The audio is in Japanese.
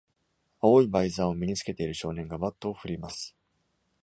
青いバイザーを身に着けている少年がバットを振ります。